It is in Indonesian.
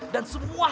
dan semua harga kita